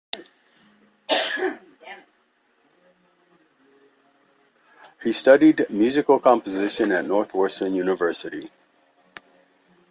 He studied musical composition at Northwestern University.